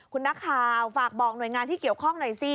คุณนักข่าวฝากบอกหน่วยงานที่เกี่ยวข้องหน่อยสิ